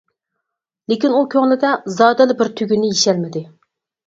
لېكىن ئۇ كۆڭلىدە زادىلا بىر تۈگۈننى يېشەلمىدى.